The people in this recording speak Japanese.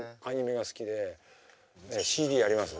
ＣＤあります？